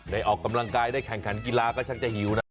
ออกกำลังกายได้แข่งขันกีฬาก็ช่างจะหิวนะ